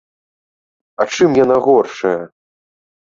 А чым яна горшая?